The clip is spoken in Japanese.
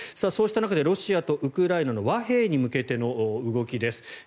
そうした中で、ロシアとウクライナの和平に向けての動きです。